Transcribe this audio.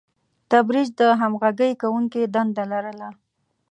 تبریز د همغږي کوونکي دنده لرله.